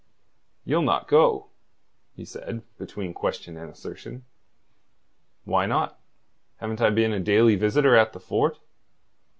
"You'll not go?" he said, between question and assertion. "Why not? Haven't I been a daily visitor at the fort...?"